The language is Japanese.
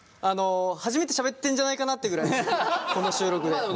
あの初めてしゃべってんじゃないかなってぐらいこの収録で。